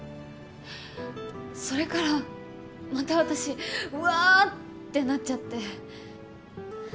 それからまた私ワーッてなっちゃって。